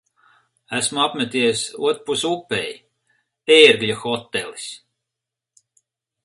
Esmu apmeties otrpus upei. "Ērgļa hotelis".